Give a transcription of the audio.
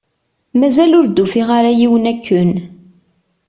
Mazal ur d-ufiɣ ara yiwen akken